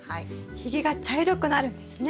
ひげが茶色くなるんですね。